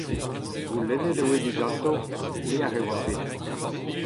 Goulennet e voe diganto pelec’h e oant bet.